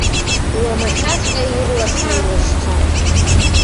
Уамашәаҵәҟьа ирласны илашьцон.